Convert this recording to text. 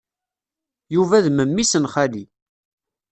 Yuba d memmi-s n xali.